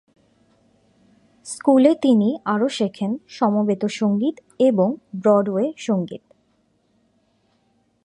স্কুলে তিনি আরো শেখেন সমবেত সংগীত এবং ব্রডওয়ে সংগীত।